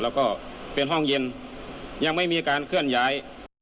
แล้วก็เป็นห้องเย็นยังไม่มีการเคลื่อนย้าย